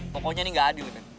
pokoknya ini gak adil